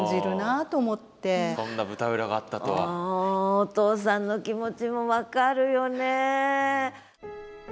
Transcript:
お父さんの気持ちも分かるよね。